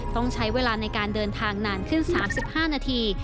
ต้องใช้เวลาในการเดินทางนานขึ้น๓๕นาที